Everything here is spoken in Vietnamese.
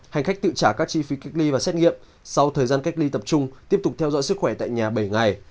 hành khách tự trả các chi phí cách ly và xét nghiệm sau thời gian cách ly tập trung tiếp tục theo dõi sức khỏe tại nhà bảy ngày